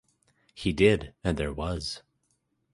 He did, and there was.